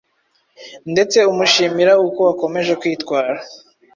ndetse amushimira uko akomeje kwitwara,